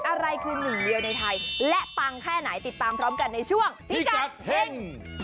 อะไรคือหนึ่งเดียวในไทยและปังแค่ไหนติดตามพร้อมกันในช่วงพิกัดเฮ่ง